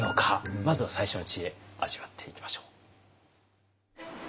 まずは最初の知恵味わっていきましょう。